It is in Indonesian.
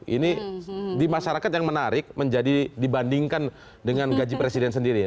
ini di masyarakat yang menarik menjadi dibandingkan dengan gaji presiden sendiri ya